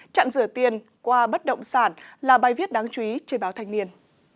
chặn rửa tiền qua bất động sản là bài viết đáng chú ý trên báo thanh niên